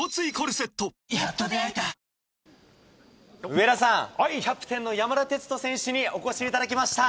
上田さん、キャプテンの山田哲人選手にお越しいただきました。